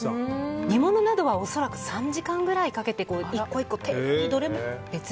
煮物などは恐らく３時間ぐらいかけて１個１個丁寧に。